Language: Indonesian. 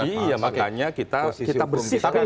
iya makanya kita bersihkan